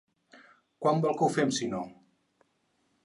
Quan vol que ho fem, sinó?